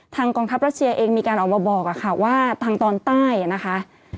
กองทัพรัสเซียเองมีการออกมาบอกค่ะว่าทางตอนใต้นะคะ